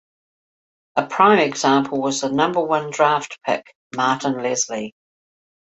A prime example was the number one draft pick, Martin Leslie.